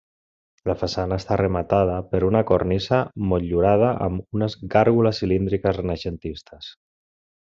La façana està rematada per una cornisa motllurada amb unes gàrgoles cilíndriques renaixentistes.